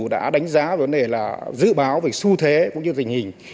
đã đánh giá về vấn đề dự báo về xu thế cũng như tình hình